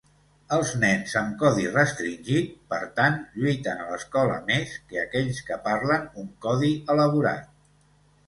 Els nens amb codi restringit, per tant, lluiten a l'escola més que aquells que parlen un "codi elaborat".